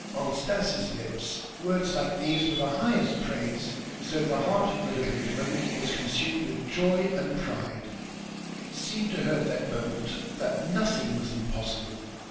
On Stas' lips words like these were the highest praise; so the heart of the little woman was consumed with joy and pride. It seemed to her at that moment that nothing was impossible.